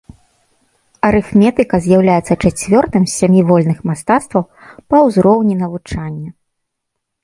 Арыфметыка з'яўляецца чацвёртым з сямі вольных мастацтваў па ўзроўні навучання.